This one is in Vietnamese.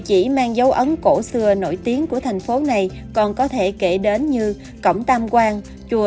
chỉ mang dấu ấn cổ xưa nổi tiếng của thành phố này còn có thể kể đến như cổng tam quan chùa